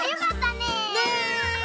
ねえ。